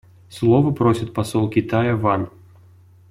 Слова просит посол Китая Ван.